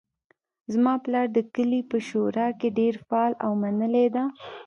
زما پلار د کلي په شورا کې ډیر فعال او منلی ده